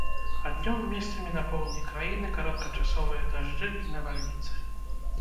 А днём месцамі на поўдні краіны кароткачасовыя дажджы і навальніцы.